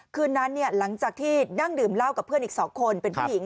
คืนนั้นหลังจากที่นั่งดื่มเหล้ากับเพื่อนอีก๒คนเป็นผู้หญิง